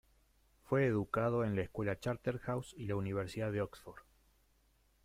Fue educado en la escuela Charterhouse y la Universidad de Oxford.